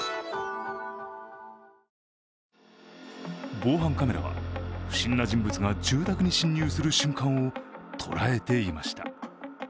防犯カメラは、不審な人物が住宅に侵入する瞬間を捉えていました。